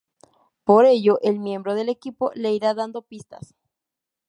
Para ello, el miembro del equipo le irá dando pistas.